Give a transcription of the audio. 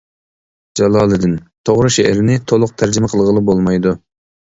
جالالىدىن: توغرا، شېئىرنى تولۇق تەرجىمە قىلغىلى بولمايدۇ.